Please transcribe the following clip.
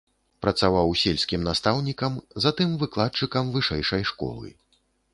Працаваў сельскім настаўнікам, затым выкладчыкам вышэйшай школы.